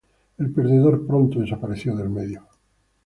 El perdedor pronto desapareció del medio.